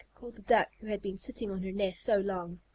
called the Duck who had been sitting on her nest so long.